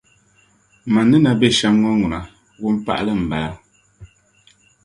Man' ni na be shɛm ŋɔ ŋuna, wunpaɣili n-bala